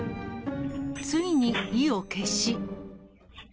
ついに意を決し。